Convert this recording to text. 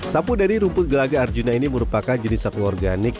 sapu dari rumput gelaga arjuna ini merupakan jenis sapi organik